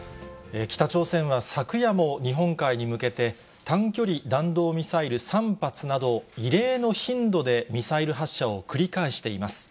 北朝鮮は昨夜も日本海に向けて、短距離弾道ミサイル３発など、異例の頻度でミサイル発射を繰り返しています。